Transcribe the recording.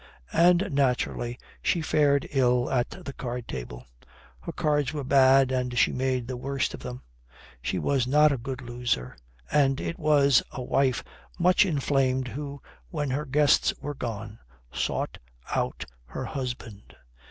And naturally, she fared ill at the card table. Her cards were bad and she made the worst of them. She was not a good loser and it was a wife much inflamed who, when her guests were gone, sought out her husband.